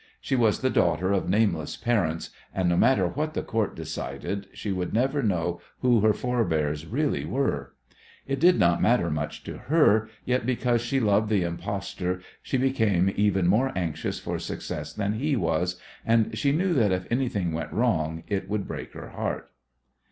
She was the daughter of nameless parents, and, no matter what the Court decided, she would never know who her forbears really were. It did not matter much to her, yet because she loved the impostor she became even more anxious for success than he was, and she knew that if anything went wrong it would break her heart.